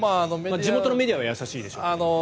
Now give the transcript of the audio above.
地元のメディアは優しいでしょうけど。